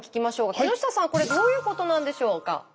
木下さんこれどういうことなんでしょうか？